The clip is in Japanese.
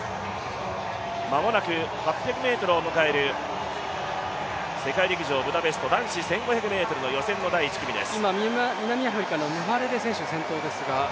間もなく８００ｍを迎える世界陸上ブダペスト、男子１５００ｍの予選の第１組です。